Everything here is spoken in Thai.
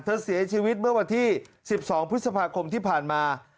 เสียชีวิตเมื่อวันที่๑๒พฤษภาคมที่ผ่านมา